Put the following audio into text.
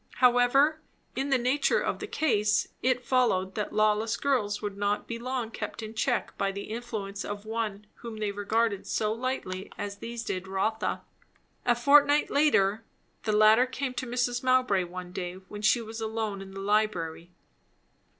However, in the nature of the case it followed that lawless girls would not be long kept in check by the influence of one whom they regarded so lightly as these did Rotha. A fortnight later, the latter came to Mrs. Mowbray one day when she was alone in the library.